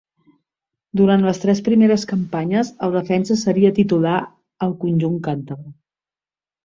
Durant les tres primeres campanyes, el defensa seria titular al conjunt càntabre.